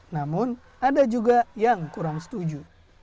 namun ada juga yang kurang setuju